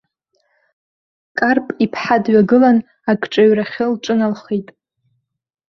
Карп-иԥҳа дҩагылан агҿаҩрахьы лҿыналхеит.